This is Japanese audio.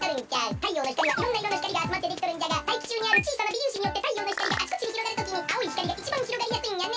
太陽の光はいろんないろの光があつまってできとるんじゃがたいきちゅうにあるちいさな微粒子によって太陽の光があちこちにひろがるときに青い光がいちばんひろがりやすいんやね。